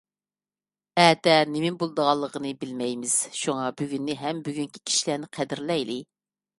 ئەتە نېمە بولىدىغانلىقىنى بىلمەيمىز. شۇڭا بۈگۈننى ھەم بۈگۈنكى كىشىلەرنى قەدىرلەيلى!